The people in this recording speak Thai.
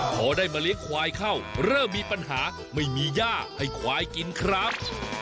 พอได้มาเลี้ยงควายเข้าเริ่มมีปัญหาไม่มีย่าให้ควายกินครับ